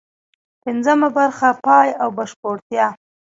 پنځمه برخه: پای او بشپړتیا